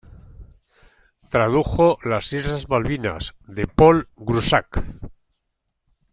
Tradujo "Las islas Malvinas" de Paul Groussac.